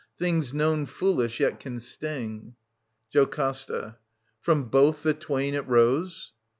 Things known foolish yet can sting. JOCASTA. From both the twain it rose